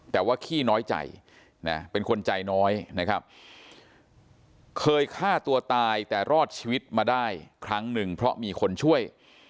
แต่ว่าขี้น้อยใจนะเป็นคนใจน้อยนะครับเคยฆ่าตัวตายแต่รอดชีวิตมาได้ครั้งหนึ่งเพราะมีคนช่วย